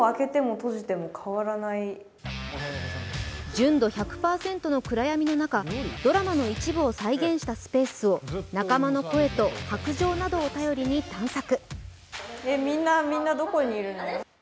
純度１００％の暗闇の中、ドラマの一部を再現したスペースを仲間の声と白杖などを頼りに散策。